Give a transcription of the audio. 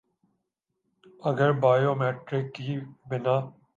اگر biometric کے بنا